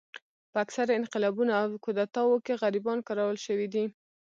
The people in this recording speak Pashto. په اکثره انقلابونو او کودتاوو کې غریبان کارول شوي دي.